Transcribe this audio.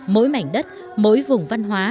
mỗi mảnh đất mỗi vùng văn hóa